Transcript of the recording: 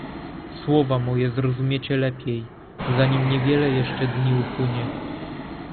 "Słowa moje zrozumiecie lepiej, zanim niewiele jeszcze dni upłynie."